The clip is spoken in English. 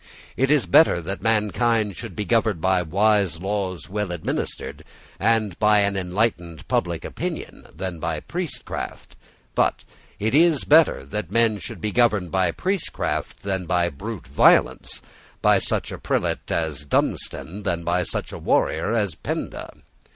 It is better that mankind should be governed by wise laws well administered, and by an enlightened public opinion, than by priestcraft: but it is better that men should be governed by priestcraft than by brute violence, by such a prelate as Dunstan than by such a warrior as Penda.